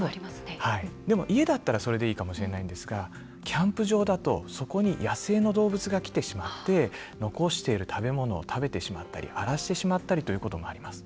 でも、家だったらそれでいいかもしれないんですがキャンプ場だとそこに野生の動物が来てしまって残している食べ物を食べてしまったり荒らしてしまったりということもあります。